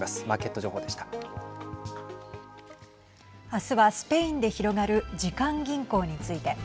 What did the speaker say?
あすはスペインで広がる時間銀行について。